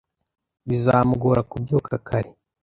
Bizamugora kubyuka kare